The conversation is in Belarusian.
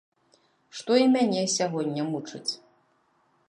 Што і мяне сягоння мучыць.